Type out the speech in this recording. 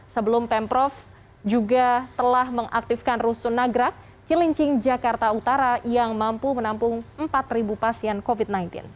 sebelum pemprov juga telah mengaktifkan rusun nagrak cilincing jakarta utara yang mampu menampung empat pasien covid sembilan belas